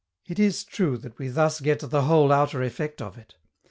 It is true that we thus get the whole outer effect of it.